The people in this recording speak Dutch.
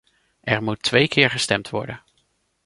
Er moet twee keer gestemd worden.